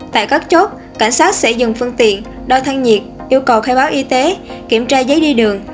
tại các chốt cảnh sát sẽ dừng phương tiện đo thân nhiệt yêu cầu khai báo y tế kiểm tra giấy đi đường